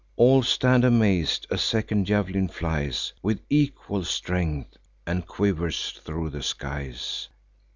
All stand amaz'd—a second jav'lin flies With equal strength, and quivers thro' the skies.